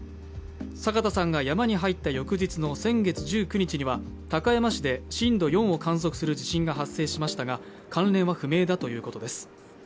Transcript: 酒田さんが山に入った翌日の先月１９日には高山市で震度４を観測する地震が発生しましたが関連は不明だということです。